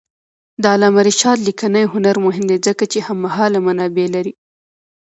د علامه رشاد لیکنی هنر مهم دی ځکه چې هممهاله منابع لري.